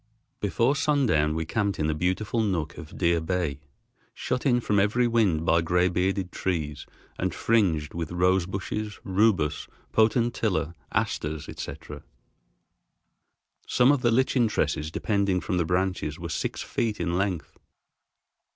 Before sundown we camped in a beautiful nook of Deer Bay, shut in from every wind by gray bearded trees and fringed with rose bushes, rubus, potentilla, asters, etc. Some of the lichen tresses depending from the branches were six feet in length.